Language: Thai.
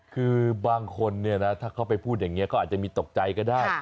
คือบางคนเนี่ยนะถ้าเขาไปพูดอย่างนี้เขาอาจจะมีตกใจก็ได้